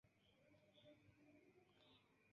Kaj la opriĉniko provis leviĝi.